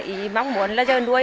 ý mong muốn là giờ nuôi